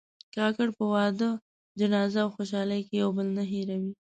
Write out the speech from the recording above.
کاکړ په واده، جنازه او خوشحالۍ کې یو بل نه هېروي.